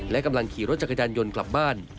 และกำลังขี่รถจักรยานยนต์กลับบ้าน